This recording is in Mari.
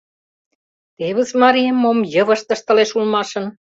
— Тевыс марием мом йывышт ыштылеш улмашын.